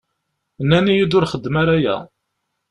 Nnan-iyi-d ur xeddmeɣ ara aya.